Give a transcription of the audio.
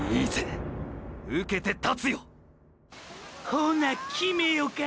ほな決めよか？